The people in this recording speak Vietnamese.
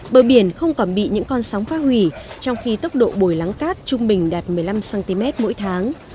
bờ biển không còn bị những con sóng phá hủy trong khi tốc độ bồi lắng cát trung bình đạt một mươi năm cm mỗi tháng